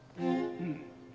うん。